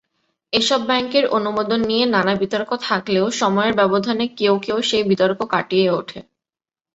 এসব ব্যাংকের অনুমোদন নিয়ে নানা বিতর্ক থাকলেও সময়ের ব্যবধানে কেউ কেউ সেই বিতর্ক কাটিয়ে উঠে।